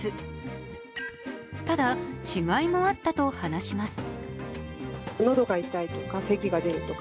ただ、違いもあったと話します。